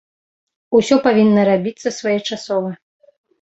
Усё павінна рабіцца своечасова.